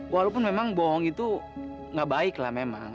walaupun memang bohong itu nggak baik lah memang